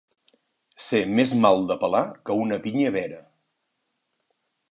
Ser més mal de pelar que una pinya vera.